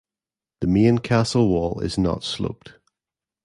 The main castle wall is not sloped.